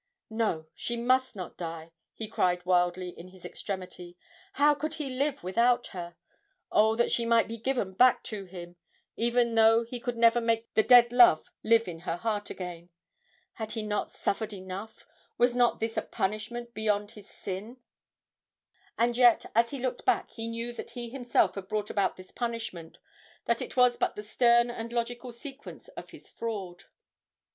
No, she must not die, he cried wildly in his extremity, how could he live without her? Oh, that she might be given back to him, even though he could never make the dead love live in her heart again! Had he not suffered enough was not this a punishment beyond his sin? And yet, as he looked back, he knew that he himself had brought about this punishment, that it was but the stern and logical sequence of his fraud.